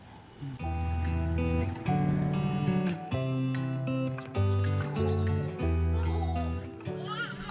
nggak ada apa apa